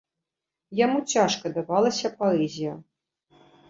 Яму цяжка давалася паэзія.